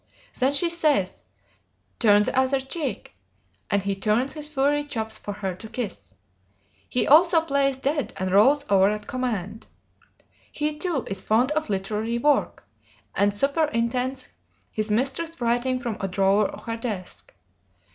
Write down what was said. Then she says, "Turn the other cheek," and he turns his furry chops for her to kiss. He also plays "dead," and rolls over at command. He, too, is fond of literary work, and superintends his mistress's writing from a drawer of her desk.